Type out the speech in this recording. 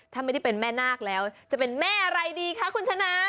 ถ้าไม่ได้เป็นแม่นาคแล้วจะเป็นแม่อะไรดีคะคุณชนะ